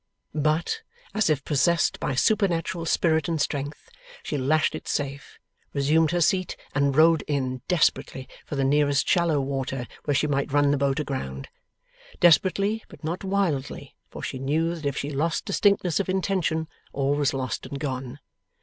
But, as if possessed by supernatural spirit and strength, she lashed it safe, resumed her seat, and rowed in, desperately, for the nearest shallow water where she might run the boat aground. Desperately, but not wildly, for she knew that if she lost distinctness of intention, all was lost and gone.